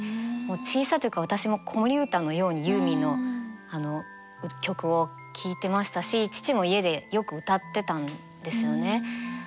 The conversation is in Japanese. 小さい時から私も子守歌のようにユーミンの曲を聴いてましたし父も家でよく歌ってたんですよね。